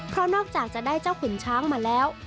เพราะนอกจากจะได้เจ้าขุนช้างมาแล้ว